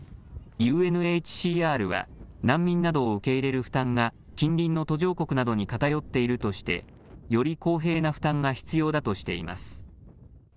ＵＮＨＣＲは難民などを受け入れる負担が近隣の途上国などに偏っているとして、より公平な負担が必要だとしています。